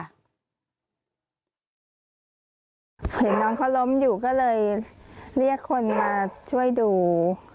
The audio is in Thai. เห็นน้องเขาล้มอยู่ก็เลยเรียกคนมาช่วยดู